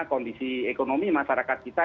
kondisi ekonomi masyarakat kita